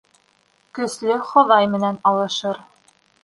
Көслө Хоҙай менән алышыр